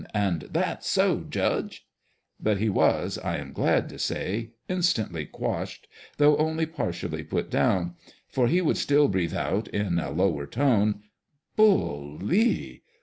and "That's so, judge!" But he was, I am glad to say, instantly quashed, though only partially put down ; for he would still breathe out, in a lower tone, "Bu — lly